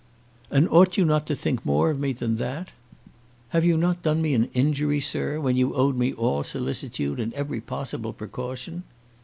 "And ought you not to think more of me than that? Have you not done me an injury, sir, when you owed me all solicitude and every possible precaution?"